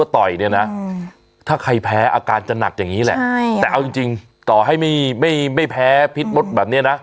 ต่อยเนี่ยนะถ้าใครแพ้อาการจะหนักอย่างนี้แหละแต่เอาจริงต่อให้ไม่แพ้พิษมดแบบนี้นะ